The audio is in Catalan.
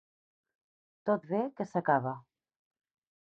Tot ve que s'acaba.